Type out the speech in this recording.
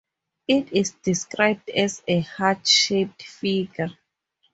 It is described as a 'heart-shaped' figure.